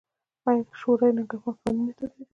آیا شورای نګهبان قوانین نه تاییدوي؟